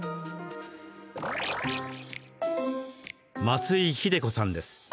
松井秀鴣さんです。